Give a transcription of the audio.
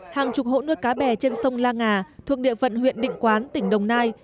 hàng chục hộ nuôi cá bè trên sông la ngà thuộc địa phận huyện định quán tỉnh đồng nai